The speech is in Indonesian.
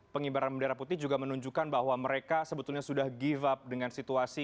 pengibaran bendera putih juga menunjukkan bahwa mereka sebetulnya sudah give up dengan situasi